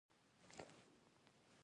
ژبه د سولې او جګړې دواړو وسیله ده